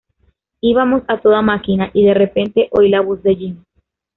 Íbamos a toda máquina y, de repente, oí la voz de Jim.